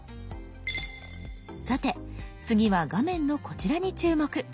さて次は画面のこちらに注目。